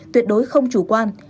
tuyệt đối không chủ quan